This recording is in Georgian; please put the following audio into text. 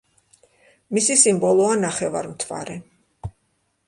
მისი სიმბოლოა ნახევარმთვარე.